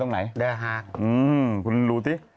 หาคุณรู้สิ